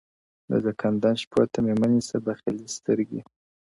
د زکندن شپو ته مي مه نیسه بخیلي سترګي!.